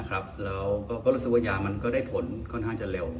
รู้สึกว่ายามันได้ผลค่อนข้างจะเร็ว